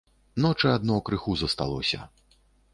Ночы адно крыху засталося.